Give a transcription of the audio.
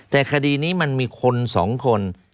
แต่คดีนี้มันมีคน๒คน